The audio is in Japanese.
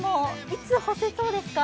いつ干せそうですか？